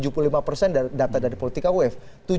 tujuh puluh lima persen data dari politika uf